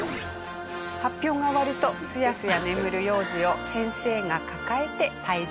発表が終わるとスヤスヤ眠る幼児を先生が抱えて退場したそうです。